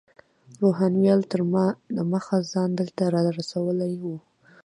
روهیال تر ما دمخه ځان دلته رارسولی و.